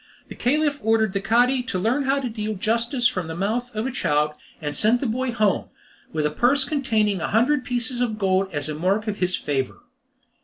The Caliph ordered the Cadi to learn how to deal out justice from the mouth of a child, and sent the boy home, with a purse containing a hundred pieces of gold as a mark of his favour.